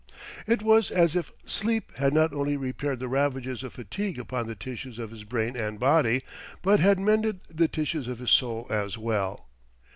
It was as if sleep had not only repaired the ravages of fatigue upon the tissues of his brain and body, but had mended the tissues of his soul as well.